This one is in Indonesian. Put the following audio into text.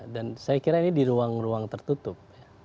dan saya kira ini di ruang ruang tertutup